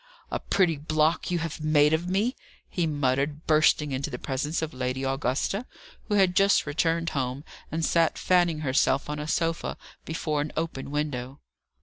"A pretty block you have made of me!" he uttered, bursting into the presence of Lady Augusta, who had just returned home, and sat fanning herself on a sofa before an open window.